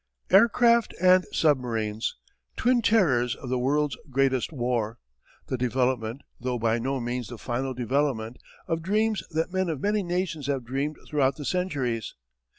Aircraft and submarines! Twin terrors of the world's greatest war! The development, though by no means the final development, of dreams that men of many nations have dreamed throughout the centuries!